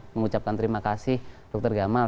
mengucapkan terima kasih dokter gamal